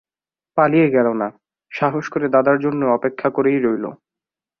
পালিয়ে গেল না, সাহস করে দাদার জন্যে অপেক্ষা করেই রইল।